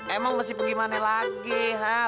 emang mesti pergi mana lagi hah